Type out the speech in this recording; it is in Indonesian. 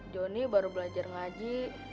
jonny baru belajar ngaji